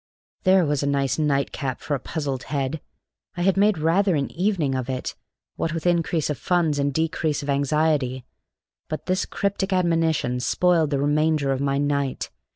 There was a nice nightcap for a puzzled head! I had made rather an evening of it, what with increase of funds and decrease of anxiety, but this cryptic admonition spoiled the remainder of my night.